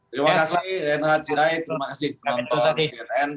terima kasih renhad sirait terima kasih penonton